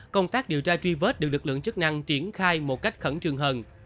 công tác điều tra truy vết được lực lượng chức năng triển khai một cách khẩn trường hợp